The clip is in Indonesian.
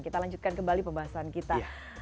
kita lanjutkan kembali pembahasan kita